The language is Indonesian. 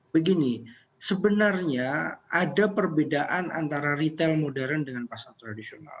begini sebenarnya ada perbedaan antara retail modern dengan pasar tradisional